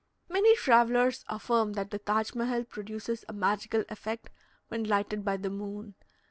Many travellers affirm that the Taj Mehal produces a magical effect when lighted by the moon.